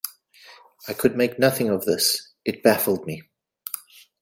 I could make nothing of this. It baffled me.